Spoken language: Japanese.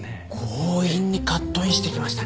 強引にカットインしてきましたね。